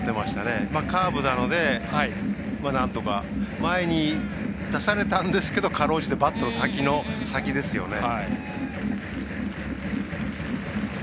カーブなのでなんとか前に出されたんですけどかろうじてバットの先ですよね。